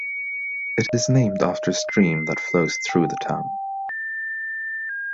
It is named after a stream that flows through the town.